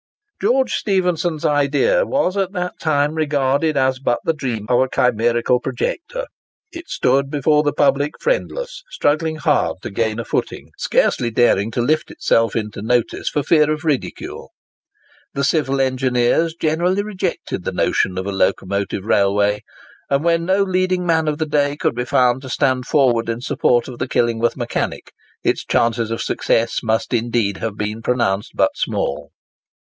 George Stephenson's idea was at that time regarded as but the dream of a chimerical projector. It stood before the public friendless, struggling hard to gain a footing, scarcely daring to lift itself into notice for fear of ridicule. The civil engineers generally rejected the notion of a Locomotive Railway; and when no leading man of the day could be found to stand forward in support of the Killingworth mechanic, its chances of success must indeed have been pronounced but small.